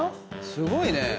すごいね！